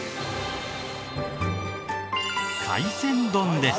海鮮丼です。